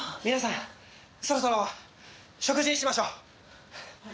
皆さんそろそろ食事にしましょう。